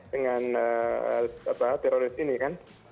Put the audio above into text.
dengan teroris ini kan